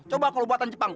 coba kalau buatan jepang